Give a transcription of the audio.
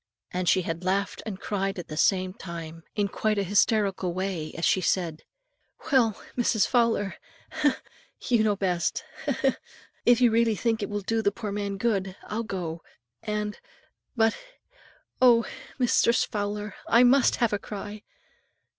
And she laughed and cried at the same time, in quite a hysterical way, as she said, "Well, Mistress Fowler, he! he! he! you know best and he! he! if you really think it will do the poor man good, I'll go; and but oh! Mistress Fowler, I must have a cry."